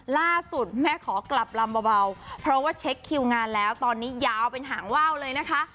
ล่าสุดแม่ขอกลับลำเบาเพราะว่าเช็คคิวงานแล้วตอนนี้ยาวเป็นหางว่าวเลยนะคะ